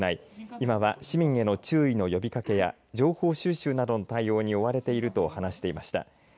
今は市民への注意の呼びかけや情報収集などの対応に追われていると話していました。